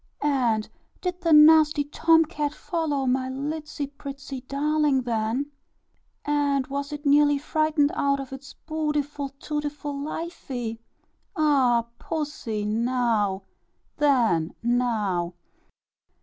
"And did the nasty Tom cat follow my litsy prettsy darling, then? And was it nearly frightened out of its bootiful, tootiful lifie? Ah! pussy, now, then, now."